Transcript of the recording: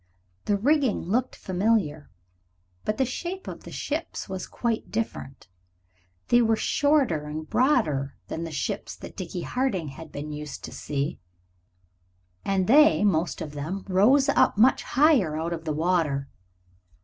The rigging looked familiar, but the shape of the ships was quite different. They were shorter and broader than the ships that Dickie Harding had been used to see, and they, most of them, rose up much higher out of the water.